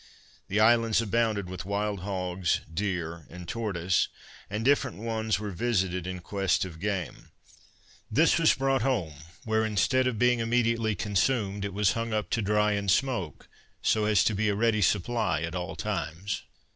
The islands abounded with wild hogs, deer and tortoise; and different ones were visited in quest of game. This was brought home, where, instead of being immediately consumed, it was hung up to dry in smoke, so as to be a ready supply at all times.